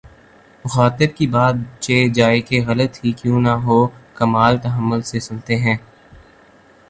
مخاطب کی بات چہ جائیکہ غلط ہی کیوں نہ ہوکمال تحمل سے سنتے ہیں